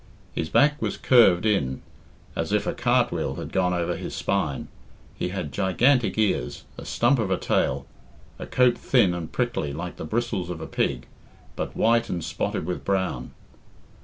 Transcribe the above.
His back was curved in as if a cart wheel had gone over his spine, he had gigantic ears, a stump of a tail, a coat thin and prickly like the bristles of a pig, but white and spotted with brown.